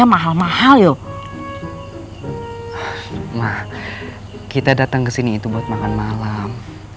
ma kita datang kesini itu buat makan malam